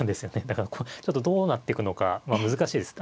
だからちょっとどうなっていくのか難しいです。